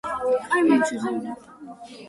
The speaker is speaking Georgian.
ფილმში ერთ-ერთი მთავარი როლი ჯეტ ლიმ შეასრულა.